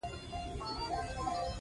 د ټولنیزو بنسټونو په نامه څه شی نه وو.